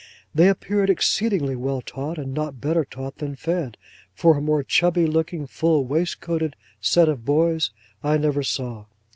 They appeared exceedingly well taught, and not better taught than fed; for a more chubby looking full waistcoated set of boys, I never saw.